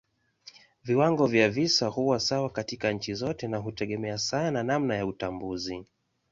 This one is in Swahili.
Viwango vya visa huwa sawa katika nchi zote na hutegemea sana namna ya utambuzi.